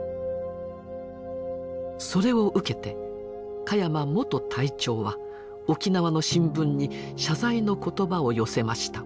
それを受けて鹿山元隊長は沖縄の新聞に謝罪の言葉を寄せました。